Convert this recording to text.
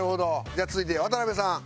じゃあ続いて渡邉さん。